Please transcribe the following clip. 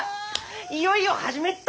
いよいよ始めっと！